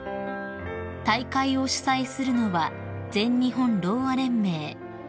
［大会を主催するのは全日本ろうあ連盟］